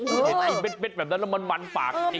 เท็จจิ้มเบ็ดแบบนั้นแล้วมันวันปาก